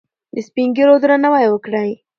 د سپین ږیرو درناوی وکړئ.